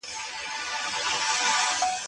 خو د ماشوم په څېر پراته وه ورته زر سوالونه